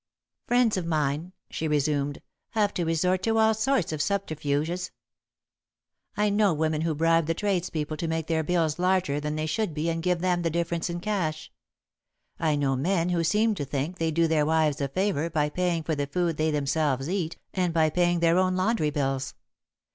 "Friends of mine," she resumed, "have to resort to all sorts of subterfuges. I know women who bribe the tradespeople to make their bills larger than they should be and give them the difference in cash. I know men who seem to think they do their wives a favour by paying for the food they themselves eat, and by paying their own laundry bills.